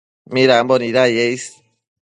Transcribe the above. midambo nidaye is